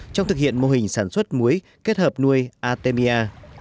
trong thực hiện mô hình sản xuất muối kết hợp nuôi atemia